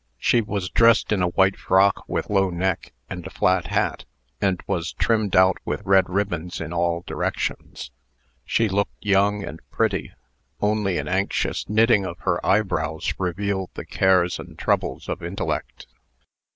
She was dressed in a white frock with low neck, and a flat hat, and was trimmed out with red ribbons in all directions. She looked young and pretty. Only an anxious knitting of her eyebrows revealed the cares and troubles of intellect. Mrs.